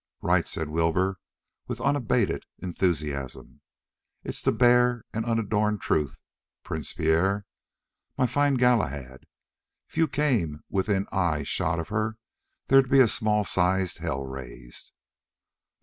"Right!" said Wilbur, with unabated enthusiasm. "It's the bare and unadorned truth, Prince Pierre. My fine Galahad, if you came within eye shot of her there'd be a small sized hell raised." "No.